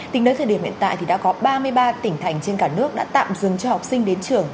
tính đến thời điểm hiện tại thì đã có ba mươi ba tỉnh thành trên cả nước đã tạm dừng cho học sinh đến trường